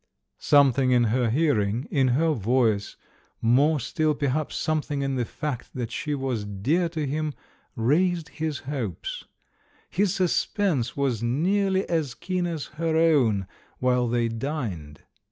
Something in her hearing, in her voice — more still, perhaps, something in the fact that she was dear to him — raised his hopes. His suspense was nearly as keen as her own while they dined.